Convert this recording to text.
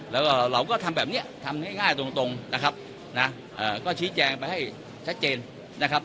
แล้วก็เราก็ทำแบบนี้ทำง่ายตรงนะครับนะก็ชี้แจงไปให้ชัดเจนนะครับ